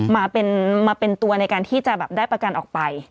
มาเป็นตัวในการที่จะแบบได้ประกันออกไป